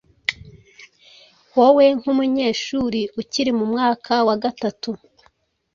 Wowe nk’umunyeshuri ukiri mu mwaka wa gatatu,